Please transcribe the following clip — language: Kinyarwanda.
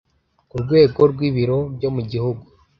ku rwego rw ibiro byo mu gihugu